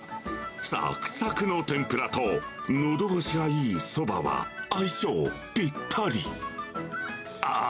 さくさくの天ぷらとのど越しがいいそばは、相性ぴったり。